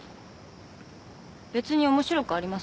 別に面白くありません。